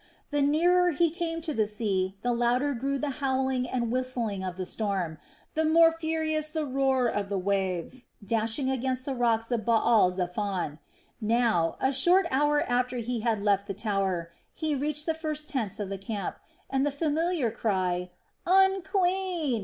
The nearer he came to the sea, the louder grew the howling and whistling of the storm, the more furious the roar of the waves dashing against the rocks of Baal zephon. Now a short hour after he had left the tower he reached the first tents of the camp, and the familiar cry: "Unclean!"